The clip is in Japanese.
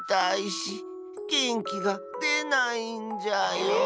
げんきがでないんじゃよ。